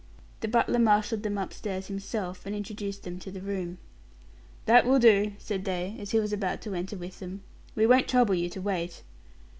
The butler marshaled them upstairs himself, and introduced them to the room. "That will do," said they, as he was about to enter with them, "we won't trouble you to wait."